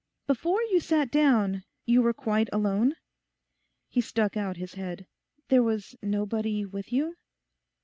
Before you sat down you were quite alone?' He stuck out his head. 'There was nobody with you?